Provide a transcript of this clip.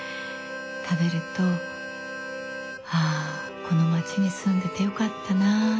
食べるとあこの町に住んでてよかったなぁってね。